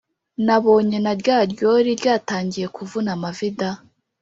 nabonye na rya ryori ryatangiye kuvuna amavi da!